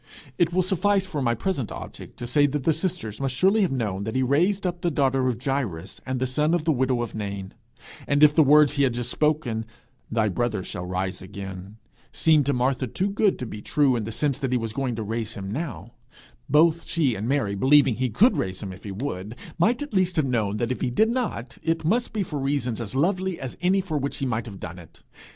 It will suffice for my present object to say that the sisters must surely have known that he raised up the daughter of Jairus and the son of the widow of Nain; and if the words he had just spoken, 'Thy brother shall rise again,' seemed to Martha too good to be true in the sense that he was going to raise him now, both she and Mary believing he could raise him if he would, might at least have known that if he did not, it must be for reasons as lovely as any for which he might have done it.